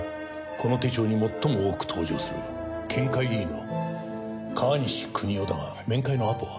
この手帳に最も多く登場する県会議員の川西邦男だが面会のアポは？